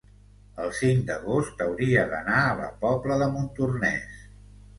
el cinc d'agost hauria d'anar a la Pobla de Montornès.